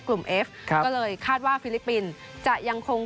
ก็จะเมื่อวันนี้ตอนหลังจดเกม